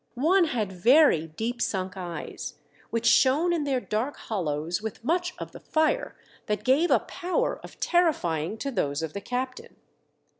One had very deep sunk eyes, Vvhich shone in their dark hollows with much of the fire that gave a power of terrifying to those of the captain.